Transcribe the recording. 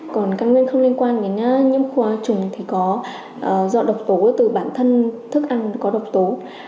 còn căn nguyên không liên quan đến nhiễm khoa trùng thì có do độc tố từ bản thân thức ăn có độc tố